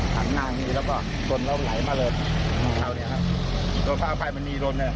ตอนนี้ครับพระอาพัยมันมีรถเนี่ย